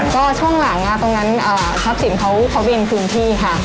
ก็ช่องหลังนั้นทรัพย์ศิลป์เขาเป็นพื้นที่ค่ะ